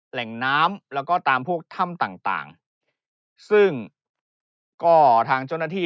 แหล่งน้ำแล้วก็ตามพวกถ้ำต่างต่างซึ่งก็ทางเจ้าหน้าที่